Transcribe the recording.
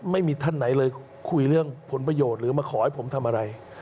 ไม่มีท่านไหนเลยคุยเรื่องผลประโยชน์หรือมาขอให้ผมทำอะไร